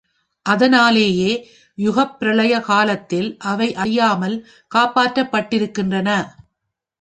அதனாலேயே யுகப் பிரளய காலத்தில் அவை அழியாமல் காப்பாற்றப்பட்டிருக்கின்றன.